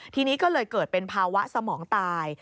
ทีนี้ก็เลยเกิดเป็นภาวะสมองตาย